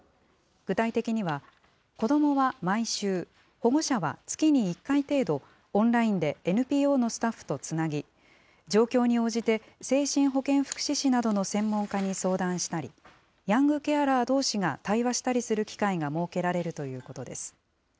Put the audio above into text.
具体的には、子どもは毎週、保護者は月に１回程度、オンラインでＮＰＯのスタッフとつなぎ、状況に応じて精神保健福祉士などの専門家に相談したり、ヤングケアラーどうしが対話したりする機会が設けられるということです。